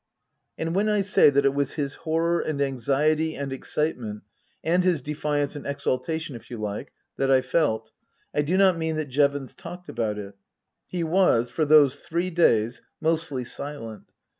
And when I say that it was his horror and anxiety and excitement and his defiance and exaltation, if you like that I felt, I do not mean that Jevons talked about it. He was, for those three days, mostly silent.